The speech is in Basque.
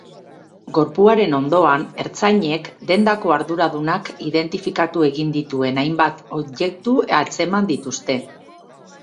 Gorpuaren ondoan, ertzainek dendako arduradunak identifikatu egin dituen hainbat objektu atzeman dituzte.